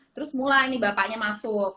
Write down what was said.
terus mulai nih bapaknya masuk